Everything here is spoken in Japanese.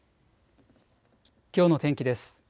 きょうの天気です。